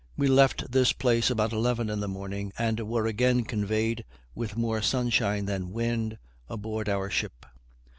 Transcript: We left this place about eleven in the morning, and were again conveyed, with more sunshine than wind, aboard our ship.